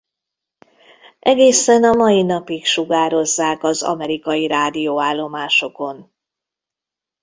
Egészen a mai napig sugározzák az amerikai rádióállomásokon.